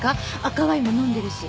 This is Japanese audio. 赤ワインも飲んでるし。